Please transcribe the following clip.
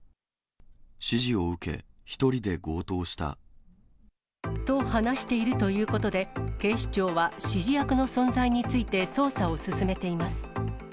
指示を受け、１人で強盗した。と話しているということで、警視庁は指示役の存在について捜査を進めています。